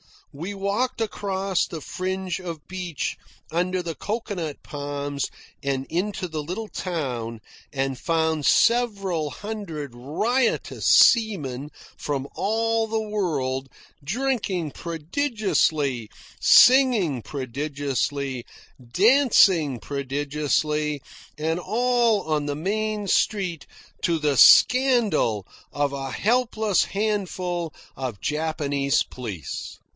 We walked across the fringe of beach under the cocoanut palms and into the little town, and found several hundred riotous seamen from all the world, drinking prodigiously, singing prodigiously, dancing prodigiously and all on the main street to the scandal of a helpless handful of Japanese police.